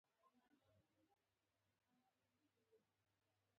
په سراج پور کې دفاعي کرښې اشغال کړئ.